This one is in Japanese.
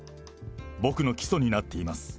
僕の基礎になっています。